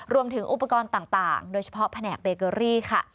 รวมถึงอุปกรณ์ต่างโดยเฉพาะแผนกเบเกอรี่ค่ะ